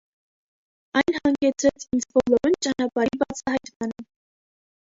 Այն հանգեցրեց ինձ ոլորուն ճանապարհի բացահայտմանը։